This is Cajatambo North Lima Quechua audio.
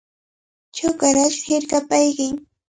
Chukaru ashnu hirkapa ayqin.